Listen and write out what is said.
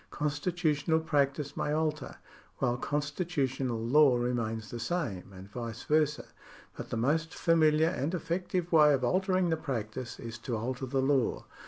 Constitutional practice may alter, while constitutional law remains the same, and vice versa, but the most familiar and effective way of altering the practice is to alter the law.